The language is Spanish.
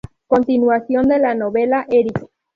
Continuación de la novela "Eric".